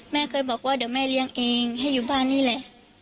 แม่เคยบอกว่าเดี๋ยวแม่เลี้ยงเองให้อยู่บ้านนี่แหละ